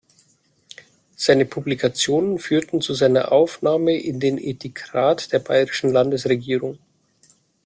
Seine Publikationen führten zu seiner Aufnahme in den Ethikrat der bayerischen Landesregierung.